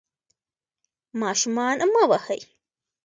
ماشومان مه وهئ.